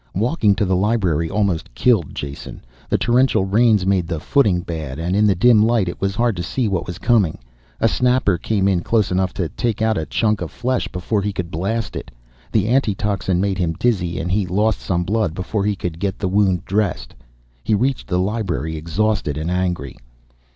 Walking to the library almost killed Jason. The torrential rains made the footing bad, and in the dim light it was hard to see what was coming. A snapper came in close enough to take out a chunk of flesh before he could blast it. The antitoxin made him dizzy and he lost some blood before he could get the wound dressed. He reached the library, exhausted and angry.